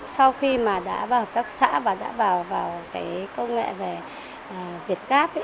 sau khi mà đã vào các xã và đã vào công nghệ về việt gáp